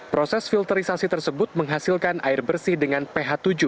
proses filterisasi tersebut menghasilkan air bersih dengan ph tujuh